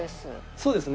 そうですね。